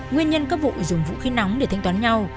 nguyên nhân các vụ dùng vũ khí nóng để thanh toán nhau